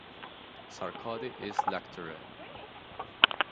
Sarkodie is lecturer.